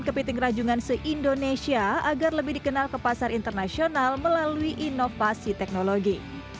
kepiting rajungan se indonesia agar lebih dikenal ke pasar internasional melalui inovasi teknologi